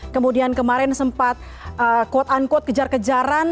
kemudian kemarin sempat quote unquote kejar kejaran